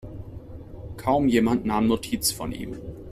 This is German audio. Kaum jemand nahm Notiz von ihm.